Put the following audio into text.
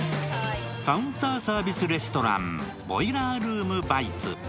カウンターサービスレストラン、ボイラールーム・バイツ。